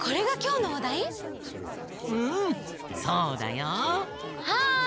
うんそうだよ。はい！